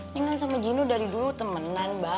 tinggal sama gino dari dulu temenan mbak